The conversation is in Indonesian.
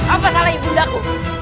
apa salah ibundaku